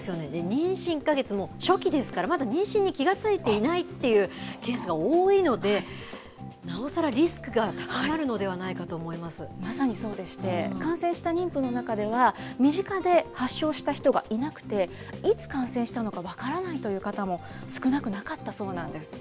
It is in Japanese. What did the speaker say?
妊娠１か月、もう初期ですから、まだ妊娠に気が付いていないっていうケースが多いので、なおさら、リスクが高まるのではないかと思まさにそうでして、感染した妊婦の中では、身近で発症した人がいなくて、いつ感染したのか分からないという方も少なくなかったそうなんです。